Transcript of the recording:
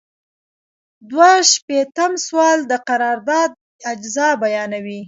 دوه شپیتم سوال د قرارداد اجزا بیانوي.